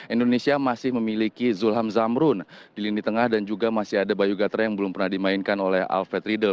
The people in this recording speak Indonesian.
indonesia masih memiliki zulham zamrun di lini tengah dan juga masih ada bayu gatra yang belum pernah dimainkan oleh alfred riedel